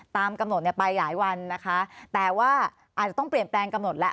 ตามกำหนดเนี่ยไปหลายวันนะคะแต่ว่าอาจจะต้องเปลี่ยนแปลงกำหนดแล้ว